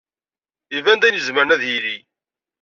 Iban d ayen izemren ad yili.